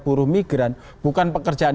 buruh migran bukan pekerjaan